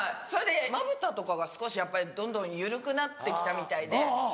それでまぶたとかが少しやっぱりどんどん緩くなって来たみたいで。